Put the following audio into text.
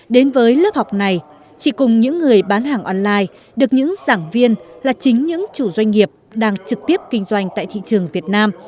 đến với lớp học này chị cùng những người bán hàng online được những giảng viên là chính những chủ doanh nghiệp đang trực tiếp kinh doanh tại thị trường việt nam